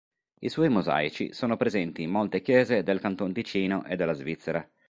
I suoi mosaici sono presenti in molte chiese del Canton Ticino e della Svizzera.